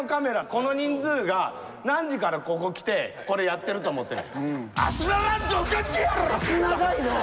この人数が何時からここ来てこれやってると思ってる？